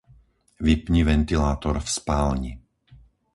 Vypni ventilátor v spálni.